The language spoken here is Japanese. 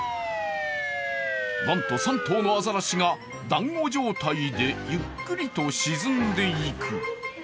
なんと３頭のあざらしが、だんご状態でゆっくりと沈んでいく。